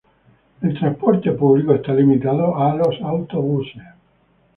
El transporte público está limitado a autobuses.